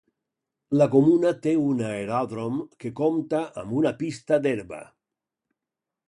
La comuna té un aeròdrom que compta amb una pista d'herba.